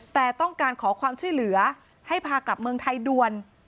แต่ต้องการขอความช่วยเหลือให้พากลับเมืองไทยด่วน